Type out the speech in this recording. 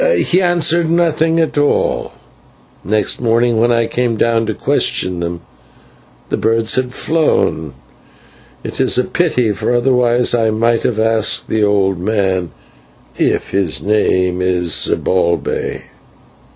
"He answered nothing at all. Next morning, when I came to question them, the birds had flown. It is a pity, for otherwise I might have asked the old man if his name is Zibalbay.